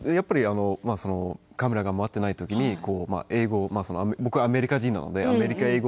カメラが回っていない時に英語、僕はアメリカ人なのでアメリカ英語。